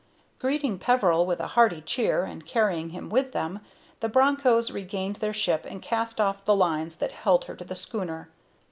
Greeting Peveril with a hearty cheer, and carrying him with them, the Bronchos regained their ship and cast off the lines that held her to the schooner.